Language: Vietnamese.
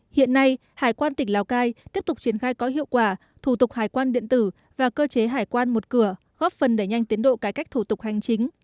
hiện nay hải quan tỉnh lào cai tiếp tục triển khai có hiệu quả thủ tục hải quan điện tử và cơ chế hải quan một cửa góp phần đẩy nhanh tiến độ cải cách thủ tục hành chính